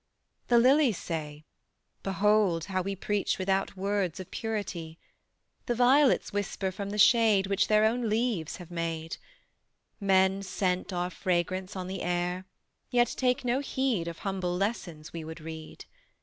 The lilies say: Behold how we Preach without words of purity. The violets whisper from the shade Which their own leaves have made: Men scent our fragrance on the air, Yet take no heed Of humble lessons we would read.